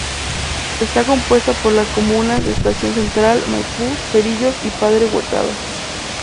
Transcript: Está compuesta por las comunas de Estación Central, Maipú, Cerrillos, y Padre Hurtado.